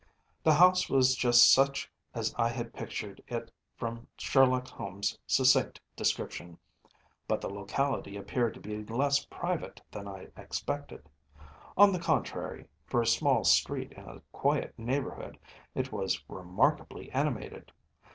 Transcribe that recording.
The house was just such as I had pictured it from Sherlock Holmes’ succinct description, but the locality appeared to be less private than I expected. On the contrary, for a small street in a quiet neighbourhood, it was remarkably animated.